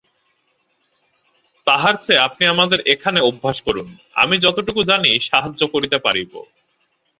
তাহার চেয়ে আপনি আমাদের এখানে অভ্যাস করুন–আমি যতটুকু জানি, সাহায্য করিতে পারিব।